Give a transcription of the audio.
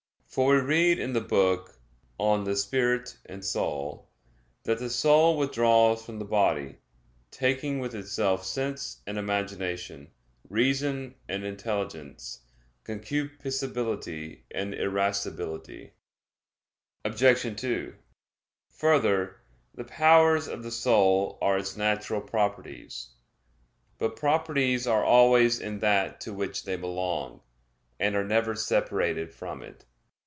For we read in the book De Spiritu et Anima that "the soul withdraws from the body, taking with itself sense and imagination, reason and intelligence, concupiscibility and irascibility." Obj. 2: Further, the powers of the soul are its natural properties. But properties are always in that to which they belong; and are never separated from it.